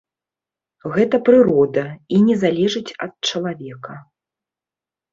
Гэта прырода і не залежыць ад чалавека.